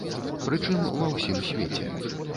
Прычым ва ўсім свеце.